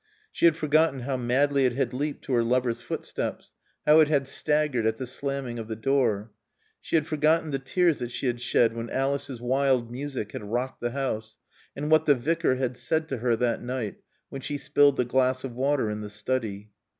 She had forgotten how madly it had leaped to her lover's footsteps, how it had staggered at the slamming of the door. She had forgotten the tears that she had shed when Alice's wild music had rocked the house, and what the Vicar had said to her that night when she spilled the glass of water in the study.